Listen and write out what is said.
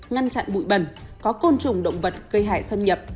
ngăn chặn bụi bẩn có côn trùng động vật gây hại xâm nhập